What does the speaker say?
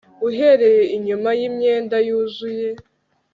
uhereye inyuma yimyenda yuzuye